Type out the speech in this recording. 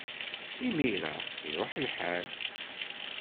Imir-a, iṛuḥ lḥal!